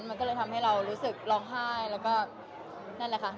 มันก็เลยทำให้เรารู้สึกร้องไห้แล้วก็นั่นแหละค่ะน้ำตาก็เลยออกไป